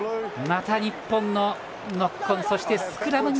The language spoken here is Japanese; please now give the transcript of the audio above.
また日本のノックオン。